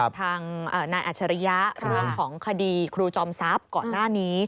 ทางนายอัจฉริยะเรื่องของคดีครูจอมทรัพย์ก่อนหน้านี้